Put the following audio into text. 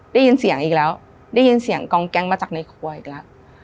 ได้ยินเสียงอีกแล้วได้ยินเสียงกองแก๊งมาจากในครัวอีกแล้ว